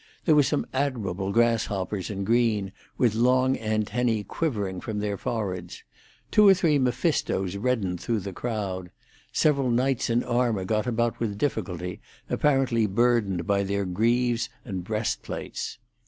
There were some admirable grasshoppers in green, with long antennae quivering from their foreheads. Two or three Mephistos reddened through the crowd. Several knights in armour got about with difficulty, apparently burdened by their greaves and breastplates.